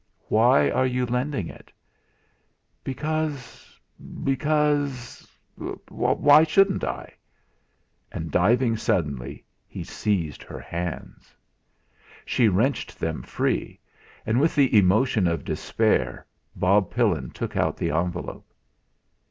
"Why are you lending it?" "Because because why shouldn't I?" and diving suddenly, he seized her hands. She wrenched them free; and with the emotion of despair, Bob Pillin took out the envelope.